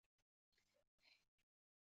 地震神为日本神话中出现的地震神只。